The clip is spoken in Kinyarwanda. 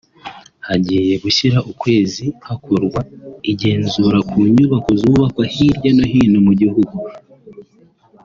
Hagiye gushira ukwezi hakorwa igenzura ku nyubako zubakwa hirya no hino mu gihugu